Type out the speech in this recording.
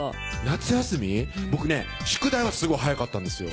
僕ね宿題はすごい早かったんですよ